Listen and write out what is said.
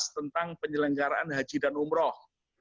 tentang penyelenggaraan haji dan umroh